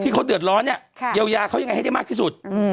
เขาเดือดร้อนเนี่ยเยียวยาเขายังไงให้ได้มากที่สุด